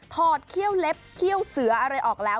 อดเขี้ยวเล็บเขี้ยวเสืออะไรออกแล้ว